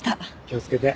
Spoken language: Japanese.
気をつけて。